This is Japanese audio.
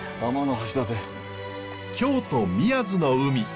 京都・宮津の海。